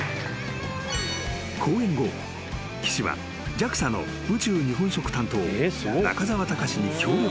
［講演後岸はＪＡＸＡの宇宙日本食担当中沢孝に協力を依頼］